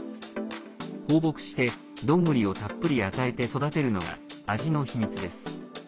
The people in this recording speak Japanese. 放牧して、ドングリをたっぷり与えて育てるのが味の秘密です。